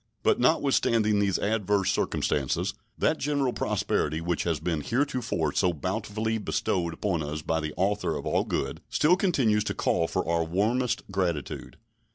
But notwithstanding these adverse circumstances, that general prosperity which has been heretofore so bountifully bestowed upon us by the Author of All Good still continues to call for our warmest gratitude.